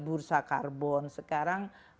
bursa karbon sekarang